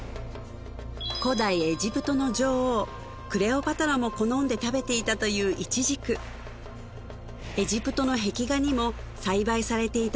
古代エジプトの女王クレオパトラも好んで食べていたというイチジクエジプトの壁画にも栽培されていた